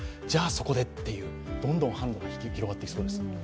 そこでという、どんどん販路が広がっていきそうです。